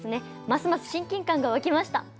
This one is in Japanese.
ますます親近感が湧きました！